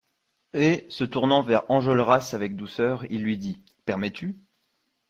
Et, se tournant vers Enjolras avec douceur, il lui dit: — Permets-tu?